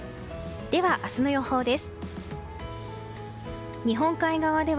では明日の予報です。